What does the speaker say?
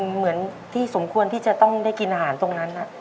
เหมือนที่สมควรที่จะต้องได้กินอาหารตรงนั้น